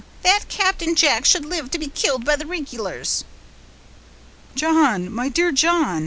—that Captain Jack should live to be killed by the rig'lars!" "John! my dear John!"